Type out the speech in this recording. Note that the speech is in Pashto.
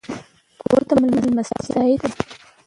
کور د میلمستیا ځای دی.